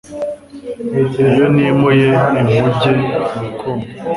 Iyo nimuye inkuge urukundo